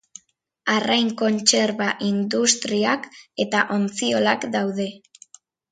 Arrain kontserba industriak eta ontziolak daude.